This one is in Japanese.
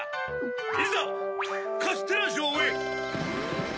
いざカステラじょうへ！